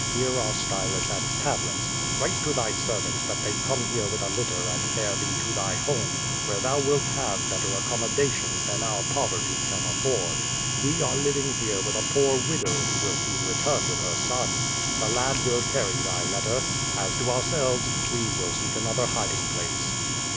"Here are sty lus and tablets. Write to thy servants that they come here with a litter and bear thee to thy home, where thou wilt have better accommodations than our poverty can afford. We are living here with a poor widow who will soon return with her son. The lad will carry thy letter. As to ourselves, we will seek another hiding place."